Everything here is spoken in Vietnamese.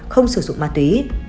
không sử dụng ma túy